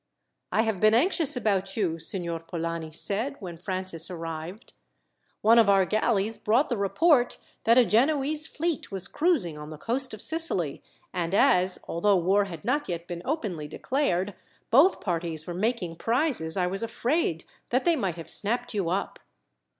"I have been anxious about you," Signor Polani said when Francis arrived. "One of our galleys brought the report that a Genoese fleet was cruising on the coast of Sicily, and as, although war had not yet been openly declared, both parties were making prizes, I was afraid that they might have snapped you up."